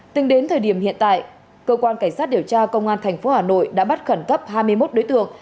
từng đến thời điểm hiện tại cơ quan cảnh sát điều tra công an thành phố hà nội đã bắt khẩn cấp hai mươi một đối tượng